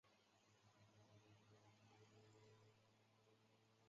这种镜头直到现在仍受到大量莱卡旁轴相机使用者的喜爱。